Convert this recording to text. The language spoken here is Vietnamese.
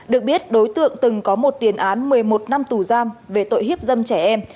được biết đối tượng từng có một tiền án một mươi một năm tù giam về tội hiếp dâm trẻ em